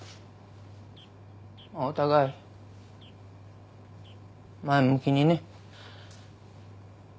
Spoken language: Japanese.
お互い前向きにね。